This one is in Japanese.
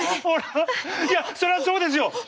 そりゃそうですよ！